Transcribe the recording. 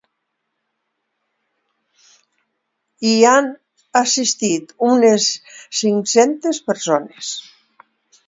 Hi han assistit unes cinc-centes persones.